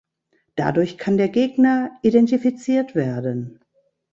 Dadurch kann der Gegner identifiziert werden.